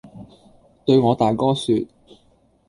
對我大哥說，